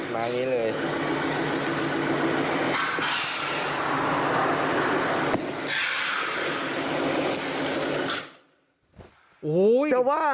มานี้เลย